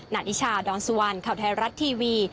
นานิชาดอนสุวรรณข่าวไทยรัฐทีวี